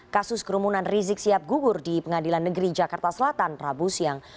kasus kerumunan rizik sihab gugur di pengadilan negeri jakarta selatan rabu siang